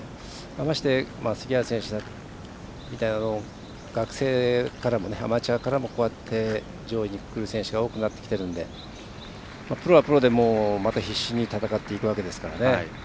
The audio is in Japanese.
まして、杉原選手のような学生からもアマチュアからも出てくる選手が多くなってきているのでプロはプロで、必死に戦っていくわけですからね。